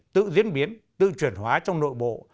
tự diễn biến tự truyền hóa trong nội bộ